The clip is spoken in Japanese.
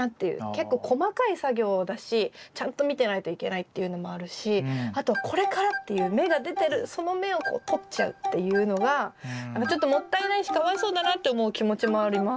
結構細かい作業だしちゃんと見てないといけないっていうのもあるしあとはこれからっていう芽が出てるその芽をこうとっちゃうっていうのがちょっともったいないしかわいそうだなって思う気持ちもあります。